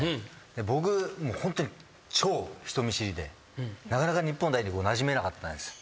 僕ホントに超人見知りでなかなか日本代表になじめなかったんですよ。